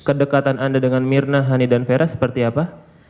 kedekatan anda dengan mirna hani dan vera seperti apa